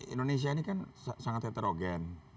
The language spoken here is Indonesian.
indonesia ini kan sangat heterogen